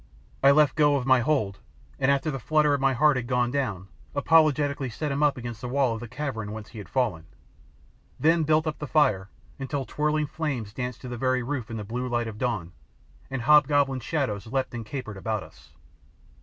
I left go my hold, and after the flutter in my heart had gone down, apologetically set him up against the wall of the cavern whence he had fallen; then built up the fire until twirling flames danced to the very roof in the blue light of dawn, and hobgoblin shadows leapt and capered about us.